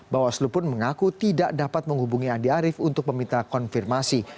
bawaslu pun mengaku tidak dapat menghubungi andi arief untuk meminta konfirmasi